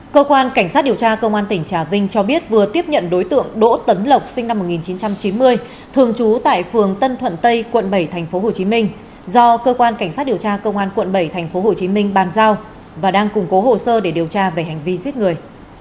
cơ quan cảnh sát điều tra công an tỉnh trà vinh cho biết vừa tiếp nhận đối tượng đỗ tấn lộc sinh năm một nghìn chín trăm chín mươi thường trú tại phường tân thuận tây quận bảy tp hcm do cơ quan cảnh sát điều tra công an quận bảy tp hcm bàn giao và đang củng cố hồ sơ để điều tra về hành vi giết người